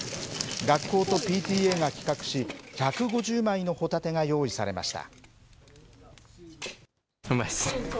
学校とＰＴＡが企画し、１５０枚のホタテが用意されました。